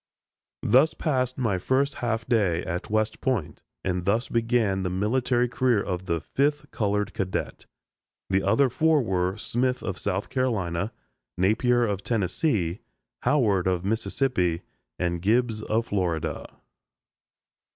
Thus passed my first half day at West Point, and thus began the military career of the fifth colored cadet. The other four were Smith of South Carolina, Napier of Tennessee, Howard of Mississippi, and Gibbs of Florida.